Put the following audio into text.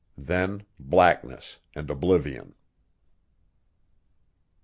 Then blackness and oblivion.